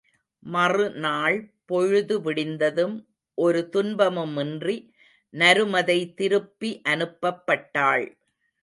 மறுநாள் பொழுது விடிந்ததும் ஒரு துன்பமுமின்றி நருமதை திருப்பி அனுப்பப்பட்டாள்.